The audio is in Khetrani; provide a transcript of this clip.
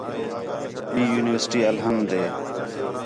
ٻئی یونیورسٹی الحمد ہِے